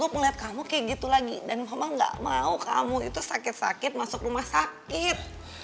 aku melihat kamu kayak gitu lagi dan mama gak mau kamu itu sakit sakit masuk rumah sakit